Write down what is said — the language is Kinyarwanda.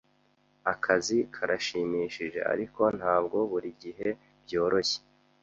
Akazi karashimishije, ariko ntabwo buri gihe byoroshye.